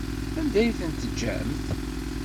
Anda ay t-teǧǧamt?